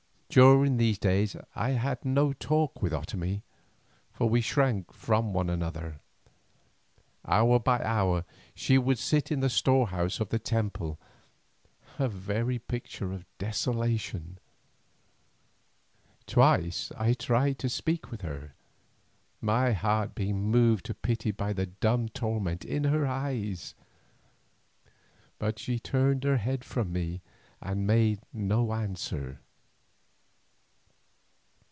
During these days I had no talk with Otomie, for we shrank from one another. Hour by hour she would sit in the storehouse of the temple a very picture of desolation. Twice I tried to speak with her, my heart being moved to pity by the dumb torment in her eyes, but she turned her head from me and made no answer.